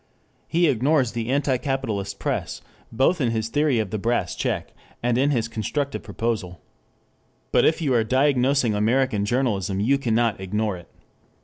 He ignores the anti capitalist press both in his theory of the Brass Check and in his constructive proposal. But if you are diagnosing American journalism you cannot ignore it.